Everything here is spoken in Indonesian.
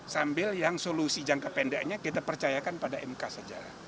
sambil yang solusi jangka pendeknya kita percayakan pada mk saja